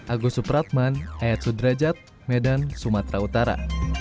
agus supratman ayat sudrajat medan sumatera utara